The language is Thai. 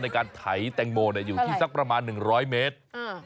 ในการไถแตงโมอยู่ที่สักประมาณ๑๐๐เมตร